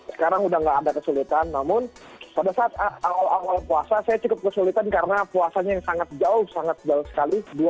sekarang udah nggak ada kesulitan namun pada saat awal awal puasa saya cukup kesulitan karena puasanya yang sangat jauh sangat jauh sekali